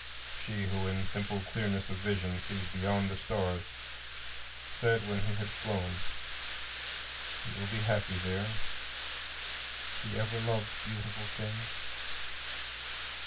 She who in simple clearness of vision sees beyond the stars said when he had flown, "He will be happy There; he ever loved beautiful things."